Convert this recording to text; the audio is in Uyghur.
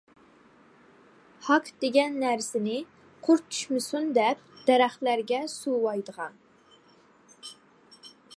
ھاك دېگەن نەرسىنى قۇرت چۈشمىسۇن دەپ دەرەخلەرگە سۇۋايدىغان.